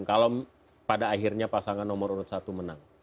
kalau pada akhirnya pasangan nomor urut satu menang